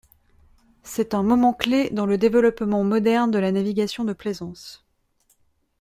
C'est un moment-clé dans le développement moderne de la navigation de plaisance.